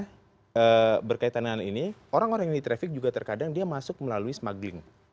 karena berkaitan dengan ini orang orang yang di traffic juga terkadang dia masuk melalui smuggling